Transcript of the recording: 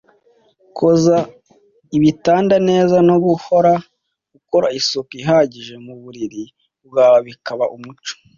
koza ibitanda neza no guhora ukora isuku ihagije mu buriri bwawe bikaba umuco